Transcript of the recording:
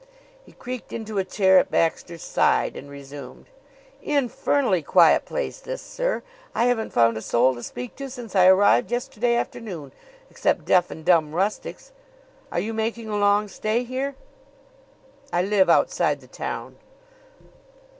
He creaked into a chair at Baxter's side and resumed: "Infernally quiet place, this, sir. I haven't found a soul to speak to since I arrived yesterday afternoon except deaf and dumb rustics. Are you making a long stay here?" "I live outside the town."